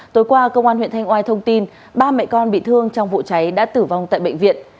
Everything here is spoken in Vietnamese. tối qua công an huyện thanh oai thông tin ba mẹ con bị thương trong vụ cháy đã tử vong tại bệnh viện